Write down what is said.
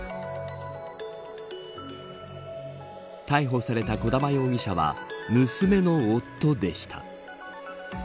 逮捕された児玉容疑者は娘の夫でした。